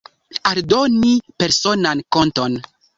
Aldoni personan konton.